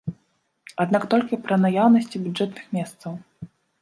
Аднак толькі пры наяўнасці бюджэтных месцаў.